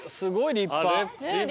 立派。